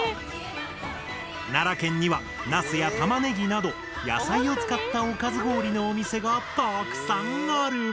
奈良県にはナスやタマネギなど野菜を使ったおかず氷のお店がたくさんある！